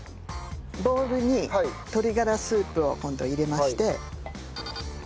ボウルに鶏がらスープを今度入れまして。